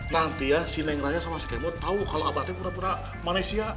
nanti ya si neng raya sama si kemut tau kalo abah itu pura pura malaysia